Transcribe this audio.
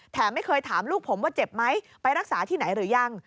ไม่เคยถามลูกผมว่าเจ็บไหมไปรักษาที่ไหนหรือยัง